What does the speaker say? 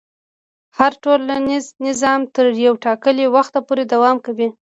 هر ټولنیز نظام تر یو ټاکلي وخته پورې دوام کوي.